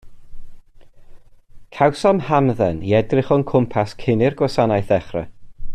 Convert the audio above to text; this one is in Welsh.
Cawsom hamdden i edrych o'n cwmpas cyn i'r gwasanaeth ddechrau.